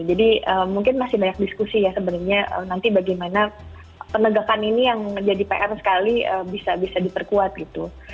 jadi mungkin masih banyak diskusi ya sebenarnya nanti bagaimana penegakan ini yang menjadi pr sekali bisa diperkuat gitu